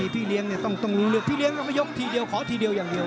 พี่เลี้ยงต้องยกทีเดียวขอทีเดียวอย่างเดียว